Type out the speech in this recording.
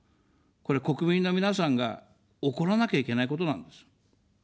これ、国民の皆さんが怒らなきゃいけないことなんです。